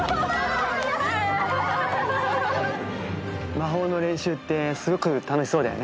魔法の練習ってすごく楽しそうだよね。